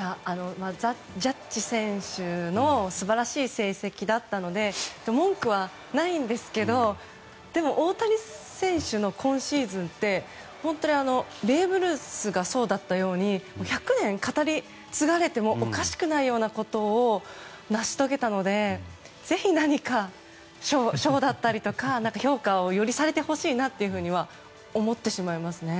ジャッジ選手の素晴らしい成績だったので文句はないんですけどでも、大谷選手の今シーズンって本当にベーブ・ルースがそうだったように１００年語り継がれてもおかしくないようなことを成し遂げたのでぜひ何か、賞だったりとかより評価をされてほしいなと思ってしまいますね。